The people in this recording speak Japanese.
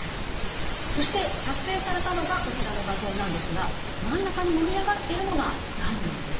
そして撮影されたのがこちらの画像なんですが真ん中に盛り上がっているのががんなんです。